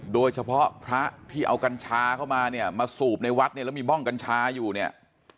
โดยเฉพาะพระที่เอากัญชาเข้ามาเนี่ยมาสูบในวัดเนี่ยแล้วมีบ้องกัญชาอยู่เนี่ย